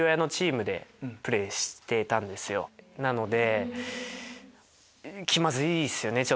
なので。